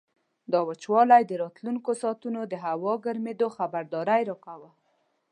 دا وچوالی د راتلونکو ساعتونو د هوا ګرمېدو خبرداری راکاوه.